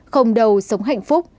không đầu sống hạnh phúc